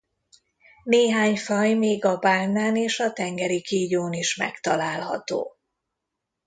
Néhány faj még a bálnán és a tengeri kígyón is megtalálható.